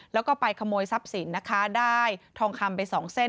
แล้วก็ไปขโมยทรัพย์สินนะคะได้ทองคำไปสองเส้น